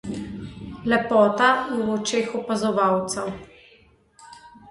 Lepota je v očeh opazovalca.